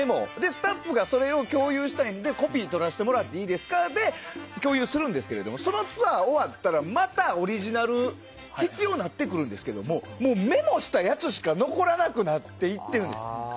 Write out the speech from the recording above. スタッフがそれを共有したいのでコピー取らせてもらっていいですかで共有するんですけどそのツアーが終わったらまたオリジナルが必要になってくるんですけどもメモしたやつしか残らなくなっていってるんです。